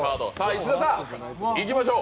石田さん、いきましょう。